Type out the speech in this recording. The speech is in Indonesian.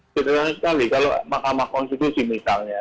sederhana sekali kalau mahkamah konstitusi misalnya